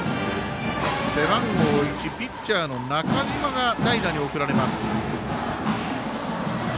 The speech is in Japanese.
背番号１、ピッチャーの中嶋が代打に送られます。